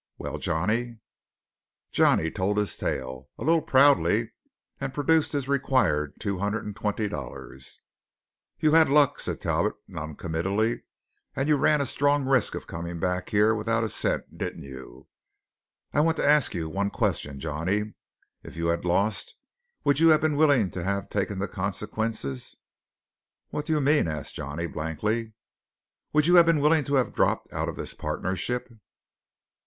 Well, Johnny?" Johnny told his tale, a little proudly and produced his required two hundred and twenty dollars. "You had luck," said Talbot non committally, "and you ran a strong risk of coming back here without a cent, didn't you? I want to ask you one question, Johnny. If you had lost, would you have been willing to have taken the consequences?" "What do you mean?" asked Johnny blankly. "Would you have been willing to have dropped out of this partnership?"